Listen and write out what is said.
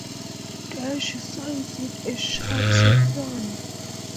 Dash sings with a sharp soprano.